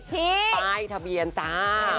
ป้ายทะเบียนจ้า